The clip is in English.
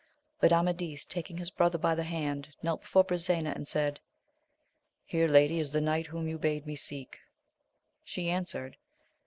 But Amadis, taking his brother by the hand, knelt before Brisena and said. Here, lady, is the knight whom you bade me seek. She answered.